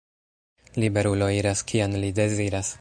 Liberulo iras, kien li deziras.